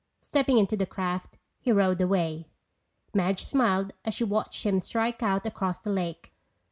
Stepping into the craft he rowed away. Madge smiled as she watched him strike out across the lake.